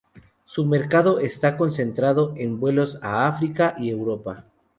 Su mercado está concentrado en vuelos a África y Europa.